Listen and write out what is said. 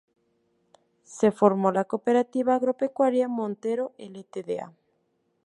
Se formó la "Cooperativa Agropecuaria Montero Ltda.